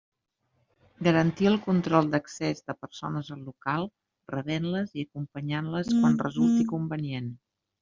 Garantir el control d'accés de persones al local, rebent-les i acompanyant-les quan resulti convenient.